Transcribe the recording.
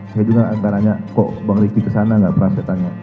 saya juga agak nanya kok bang riki kesana nggak pernah saya tanya